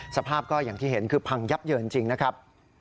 สภาพก็อย่างที่เห็นคือพังยับเยินจริงนะครับ